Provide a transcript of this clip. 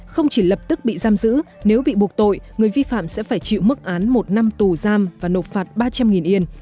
không chỉ lập tức bị giam giữ nếu bị buộc tội người vi phạm sẽ phải chịu mức án một năm tù giam và nộp phạt ba trăm linh yên